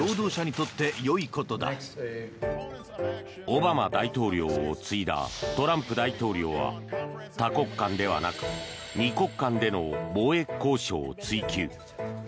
オバマ大統領を継いだトランプ大統領は多国間ではなく２国間での貿易交渉を追求。